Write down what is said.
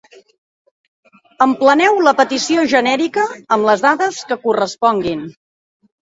Empleneu la petició genèrica amb les dades que corresponguin.